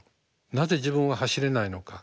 なぜ自分は走れないのか。